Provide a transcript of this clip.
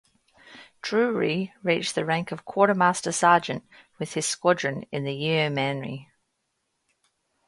Drewry reached the rank of quartermaster sergeant with his squadron in the Yeomanry.